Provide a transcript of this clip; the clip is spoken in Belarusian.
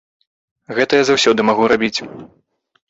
Гэта я заўсёды магу рабіць.